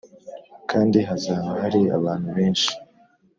kandi hazaba hari abantu benshi;